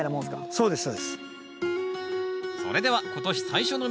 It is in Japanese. そうです。